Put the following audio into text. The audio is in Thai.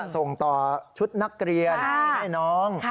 ส่งต่อชุดนักเรียนให้น้อง